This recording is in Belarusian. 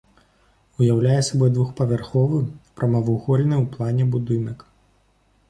Уяўляе сабой двухпавярховы, прамавугольны ў плане будынак.